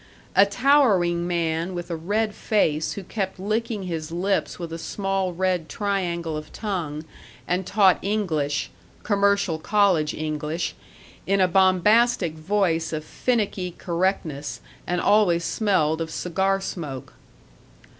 A towering man with a red face, who kept licking his lips with a small red triangle of tongue, and taught English commercial college English in a bombastic voice of finicky correctness, and always smelled of cigar smoke.